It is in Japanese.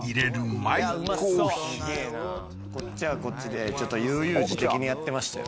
すげえなこっちはこっちでちょっと悠々自適にやってましたよ